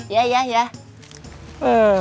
yah yah yah yah